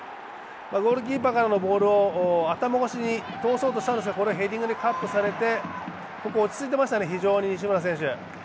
ゴールキーパーからのボールを頭越しに通そうとしたんですがこれはヘディングでカットされてここ落ち着いてましたね、非常に、西村選手。